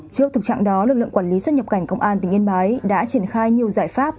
trước thực trạng đó lực lượng quản lý xuất nhập cảnh công an tỉnh yên bái đã triển khai nhiều giải pháp